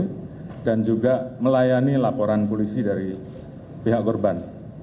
lepas itu kami juga melakukan laporan polisi dari pihak korban